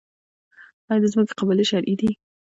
آیا د ځمکې قبالې شرعي دي؟